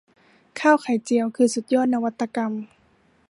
ข้าวไข่เจียว คือสุดยอดนวัตกรรม